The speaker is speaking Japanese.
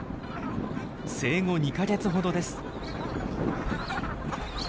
生後２か月ほどです。